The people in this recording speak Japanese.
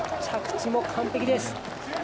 着地も完璧です。